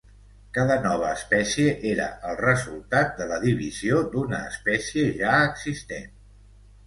Cada nova espècie era el resultat de la divisió d'una espècie ja existent.